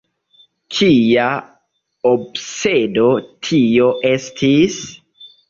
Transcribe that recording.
Kia obsedo tio estis?